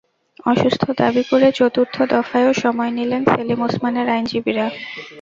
অসুস্থ দাবি করে চতুর্থ দফায়ও সময় নিলেন সেলিম ওসমানের আইনজীবীরা।